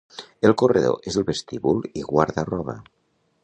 El corredor és el vestíbul i guarda-roba.